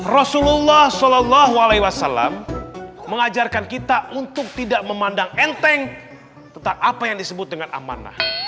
rasulullah saw mengajarkan kita untuk tidak memandang enteng tentang apa yang disebut dengan amanah